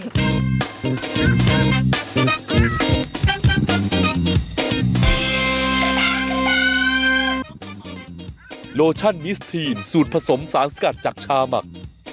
โลชั่นมิสทีนสูตรผสมสารสกัดจากชาหมัก